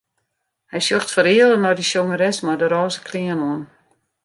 Hy sjocht fereale nei de sjongeres mei de rôze klean oan.